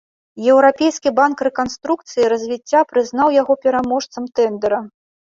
Еўрапейскі банк рэканструкцыі і развіцця прызнаў яго пераможцам тэндэра.